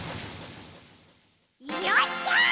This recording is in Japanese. よっしゃ！